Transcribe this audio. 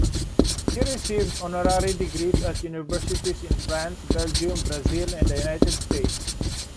He received honorary degrees at universities in France, Belgium, Brazil and the United States.